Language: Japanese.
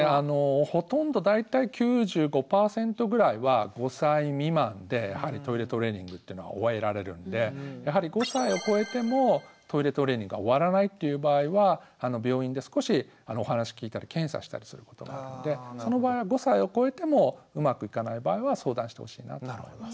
ほとんど大体９５％ぐらいは５歳未満でトイレトレーニングっていうのは終えられるんでやはり５歳をこえてもトイレトレーニングが終わらないという場合は病院で少しお話聞いたり検査したりすることがあるんでその場合は５歳をこえてもうまくいかない場合は相談してほしいなと思います。